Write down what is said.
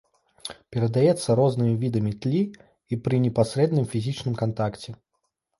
Перадаецца рознымі відамі тлі і пры непасрэдным фізічным кантакце.